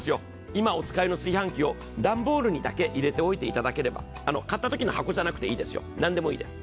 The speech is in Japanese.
今お使いの炊飯器を段ボールにだけ入れておいていただければ、買ったときの箱じゃなくていいですよ、何でもいいです。